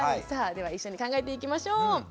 さあでは一緒に考えていきましょう！